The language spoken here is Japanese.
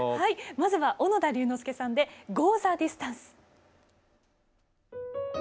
まずは小野田龍之介さんで「ゴー・ザ・ディスタンス」。